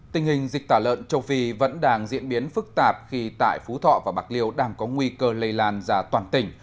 tình hình dịch tả lợn châu phi vẫn đang diễn biến phức tạp khi tại phú thọ và bạc liêu đang có nguy cơ lây lan ra toàn tỉnh